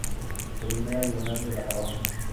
Primera Bienal de La Habana.